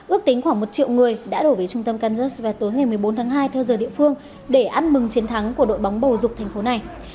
ước tính khoảng một triệu người đã đổ về trung tâm kansas vào tối ngày một mươi bốn tháng hai theo giờ địa phương để ăn mừng chiến thắng của đội bóng bầu dục thành phố này